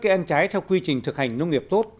cây ăn trái theo quy trình thực hành nông nghiệp tốt